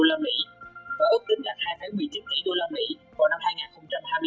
và ước tính đạt hai một mươi chín tỷ usd vào năm hai nghìn hai mươi bốn